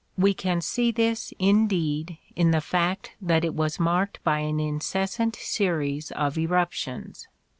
We can see this, indeed, in the fact that it was marked by an incessant series of eruptions.